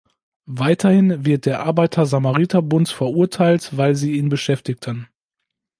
Weiterhin wird der Arbeiter-Samariter-Bund verurteilt, weil sie ihn beschäftigten.